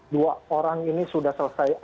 dua orang ini sudah selesai